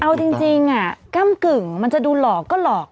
เอาจริงก้ำกึ่งมันจะดูหลอกก็หลอก